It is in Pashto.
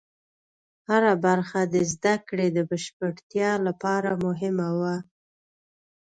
هره برخه د زده کړې د بشپړتیا لپاره مهمه وه.